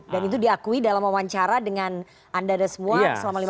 dan itu diakui dalam wawancara dengan anda ada semua selama lima jam itu